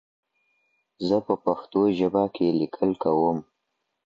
زه په پښتو ژبي کي ليکل کوم.